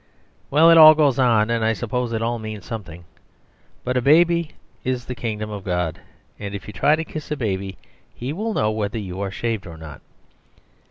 "Well, it all goes on, and I suppose it all means something. But a baby is the Kingdom of God, and if you try to kiss a baby he will know whether you are shaved or not.